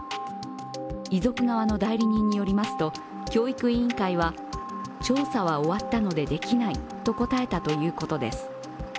遺族側の代理人によりますと教育委員会は、調査は終わったのでできないと答えたということです。